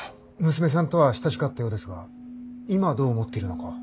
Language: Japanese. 娘さんとは親しかったようですが今どう思っているのかは。